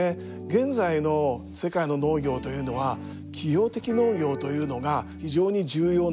現在の世界の農業というのは企業的農業というのが非常に重要な役割を担ってきました。